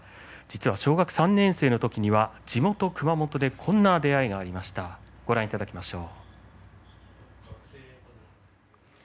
小学３年生の時には地元熊本でこんな出会いがありましたご覧いただきましょう。